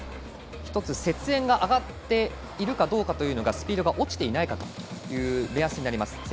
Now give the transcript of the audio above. １つ、雪煙が上がっているかどうかというのがスピードが落ちていないかという目安になります。